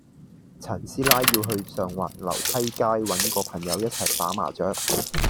陳師奶要去上環樓梯街搵個朋友一齊打麻雀